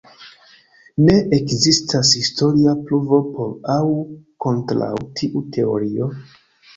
Ne ekzistas historia pruvo por aŭ kontraŭ tiu teorio.